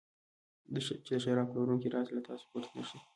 چې د شراب پلورونکي راز له تاسو پټ نه شي.